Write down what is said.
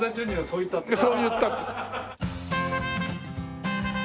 そう言ったって。